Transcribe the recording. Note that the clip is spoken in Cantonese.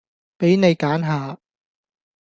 畀你揀下